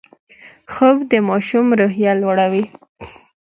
خوب د ماشوم روحیه لوړوي